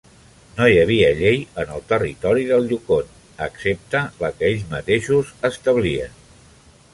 No hi havia llei en el territori del Yukon, excepte la que ells mateixos establien.